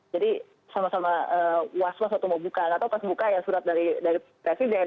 jadi sama sama was was waktu mau buka nggak tau pas buka ya surat dari presiden